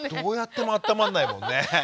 どうやってもあったまらないもんね。